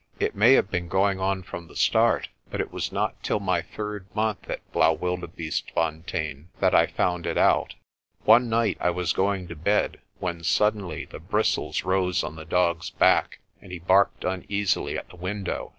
It may have been going on from the start, but it was not till my third month at Blaauwildebeestefontein that I found it out. One night I was going to bed, when suddenly the bristles rose on the dog's back and he barked uneasily at the window.